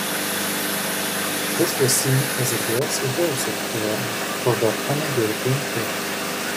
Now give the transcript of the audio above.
This was seen as a dress rehearsal for the upcoming European tour.